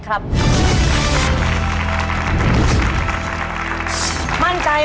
ขอเชิญแสงเดือนมาต่อชีวิต